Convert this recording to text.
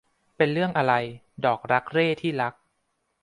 เป็นเรื่องอะไรดอกรักเร่ที่รัก ?